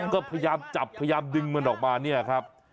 ก็พยายามจับพยายามดึงมันออกมาเนี่ยครับ